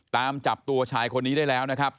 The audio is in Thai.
ตามจับตัวชายคนนี้ได้แล้วนะครับ